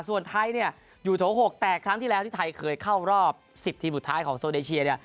ส่วนไทยเนี่ยอยู่โถ๖แต่ครั้งที่แล้วที่ไทยเคยเข้ารอบ๑๐ทีมสุดท้ายของโซเดเชียเนี่ย